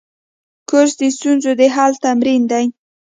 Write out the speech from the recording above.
کورس د ستونزو د حل تمرین دی.